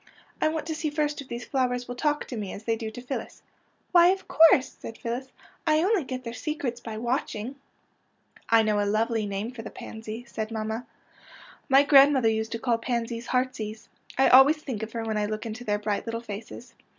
" I want to IN MAMMA'S ROOM 77 see first if these flowers will talk to me as they do to PhyUis/' ^< Why, of course," said Phyllis. '' I only get their secrets by watching." '' I know a lovely name for the pansy," said manmia. '' My grandmother used to call pansies heartsease. I always think of her when I look into their bright little faces.